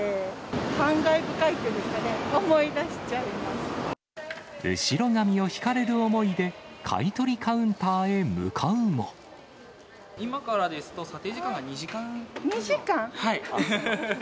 感慨深いっていうんですかね、後ろ髪を引かれる思いで、今からですと、査定時間が２２時間？